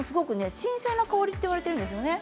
新鮮な香りといわれているんですよね。